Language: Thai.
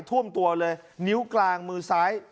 ท่วมตัวเลยนิ้วกลางมือซ้าย